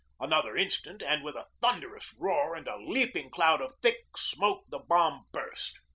Another instant and with a thunderous roar and a leaping cloud of thick smoke the bomb burst.